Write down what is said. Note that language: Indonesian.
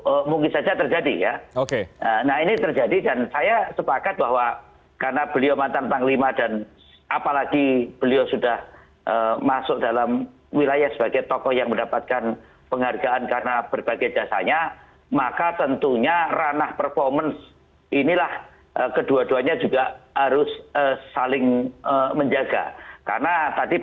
pak hamek kapan katakan itu penting di titik betul dicermati betul apakah faktor hal ini biarlah terjadi menikmati hal itu mungkin saja terjadi ya nah ini terjadi dan saya sepakat karena beliau datang panglima dan apalagi beliau sudah masuk dalam wilayah sebagai tokoh yang mendapatkan penghargaan karena berbagai jasanya maka tentunya ranah performance inilah kedua duanya juga harus saling menjaga karena tadi bahwa